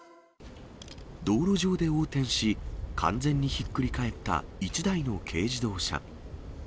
道路上で横転し、完全にひっくり返った１台の軽自動車。